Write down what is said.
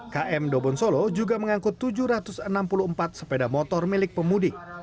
km dobon solo juga mengangkut tujuh ratus enam puluh empat sepeda motor milik pemudik